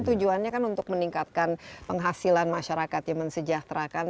tujuannya kan untuk meningkatkan penghasilan masyarakat yang mensejahterakan